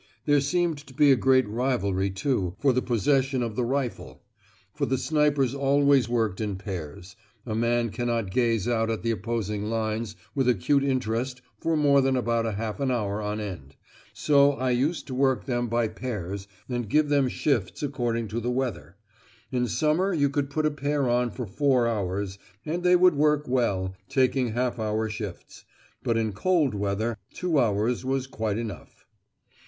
There seemed to be a great rivalry, too, for the possession of the rifle. For the snipers always worked in pairs: a man cannot gaze out at the opposing lines with acute interest for more than about half an hour on end; so I used to work them by pairs, and give them shifts according to the weather. In summer you could put a pair on for four hours, and they would work well, taking half hour shifts; but in cold weather two hours was quite enough.